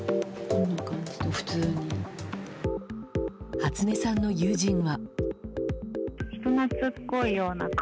初音さんの友人は。